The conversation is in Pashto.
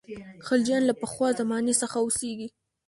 خلجیان له پخوا زمانې څخه اوسېږي.